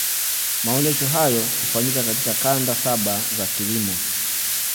maonesho hayo hufanyika katika kanda saba za kilimo